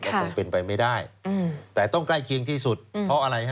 ก็คงเป็นไปไม่ได้แต่ต้องใกล้เคียงที่สุดเพราะอะไรฮะ